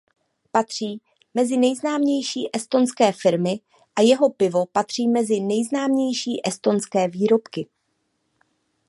Patří mezi nejznámější estonské firmy a jeho pivo patří mezi nejznámější estonské výrobky.